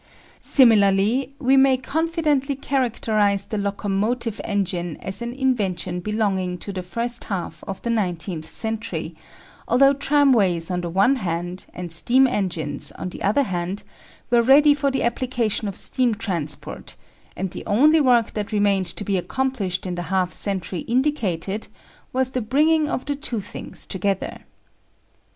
Similarly we may confidently characterise the locomotive engine as an invention belonging to the first half of the nineteenth century, although tramways on the one hand, and steam engines on the other hand, were ready for the application of steam transport, and the only work that remained to be accomplished in the half century indicated was the bringing of the two things together.